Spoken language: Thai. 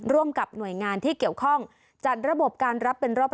ร่วมกับหน่วยงานที่เกี่ยวข้องจัดระบบการรับเป็นรอบ